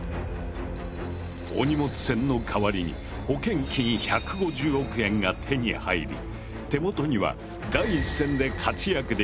お荷物船の代わりに保険金１５０億円が手に入り手元には第一線で活躍できる新品の豪華客船が残るのだ。